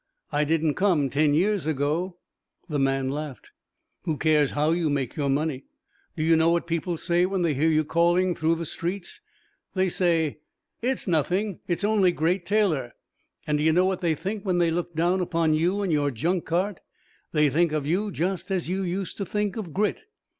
"I didn't come ten years ago." The man laughed. "Who cares how you make your money? Do you know what people say when they hear you calling through the streets? They say, 'It's nothing, it's only Great Taylor.' And do you know what they think when they look down upon you and your junk cart? They think of you just as you used to think of Grit...."